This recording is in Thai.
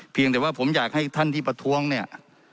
เพียงแต่ว่าผมอยากให้ท่านที่ประท้วงเนี่ย